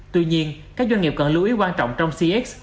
tuy nhiên các doanh nghiệp cần lưu ý quan trọng trong cx